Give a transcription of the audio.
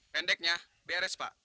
pendeknya beres pak